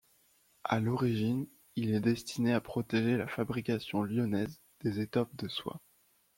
À l'origine, il est destiné à protéger la fabrication lyonnaise des étoffes de soie.